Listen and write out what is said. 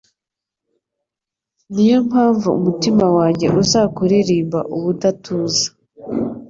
Ni yo mpamvu umutima wanjye uzakuririmba ubudatuza